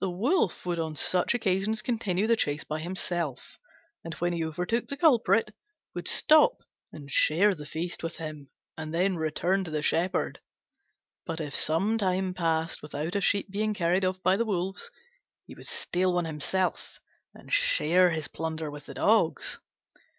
The Wolf would on such occasions continue the chase by himself, and when he overtook the culprit, would stop and share the feast with him, and then return to the Shepherd. But if some time passed without a sheep being carried off by the wolves, he would steal one himself and share his plunder with the dogs.